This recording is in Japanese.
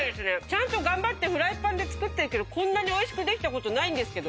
ちゃんと頑張ってフライパンで作ってるけどこんなにおいしくできたことない。